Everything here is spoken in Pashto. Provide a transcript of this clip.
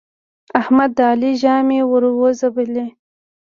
احمد د علي ژامې ور وځبلې.